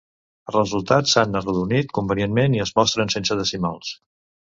Els resultats s'han arrodonit convenientment i es mostren sense decimals.